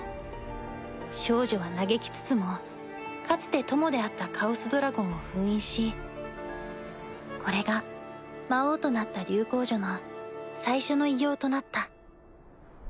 少女は嘆きつつもかつて友であったカオスドラゴンを封印しこれが魔王となった竜皇女の最初の偉業となった。